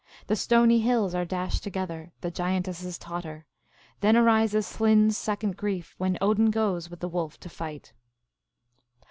... The stony hills are dashed together, The giantesses totter. Then arises Hlin s second grief When Odin goes with the wolf to fight."